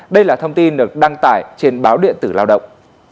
đây là thông tin được đăng tải trên báo điện tử lao động